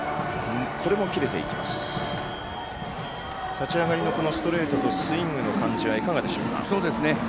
立ち上がりのストレートとスイングの感じはいかがでしょうか。